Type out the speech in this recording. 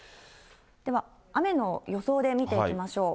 では雨の予想で見ていきましょう。